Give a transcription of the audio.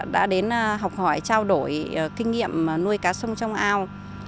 đã đến học hỏi trao đổi kinh nghiệm nuôi cá sông trong ao